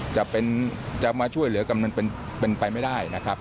จะมาช่วยเหลือกันมันเป็นไปไม่ได้นะครับ